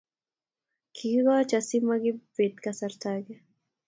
Kigichokchi asi makibet kasarta ake.